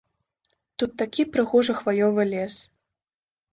Тут такі прыгожы хваёвы лес.